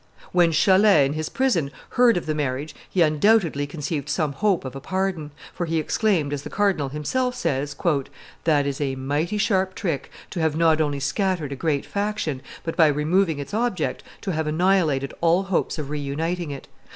When Chalais, in his prison, heard of the marriage, he undoubtedly conceived some hope of a pardon, for he exclaimed, as the cardinal himself says, "That is a mighty sharp trick, to have not only scattered a great faction, but, by removing its object, to have annihilated all hopes of re uniting it.